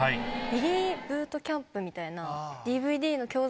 『ビリーズブートキャンプ』みたいな。